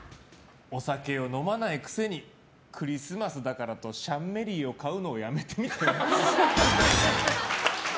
お酒を飲まないくせにクリスマスだからとシャンメリーを買うのをやめてみては？